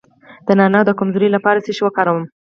د نارینه د کمزوری لپاره څه شی وکاروم؟